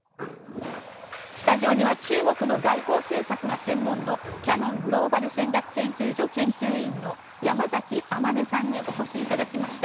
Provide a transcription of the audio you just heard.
スタジオには中国の外交政策が専門のキヤノングローバル戦略研究所研究員の山崎周さんにお越しいただきました。